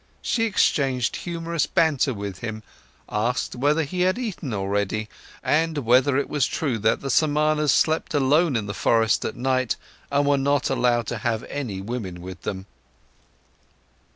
She exchanged humorous banter with him, asked whether he had eaten already, and whether it was true that the Samanas slept alone in the forest at night and were not allowed to have any women with them.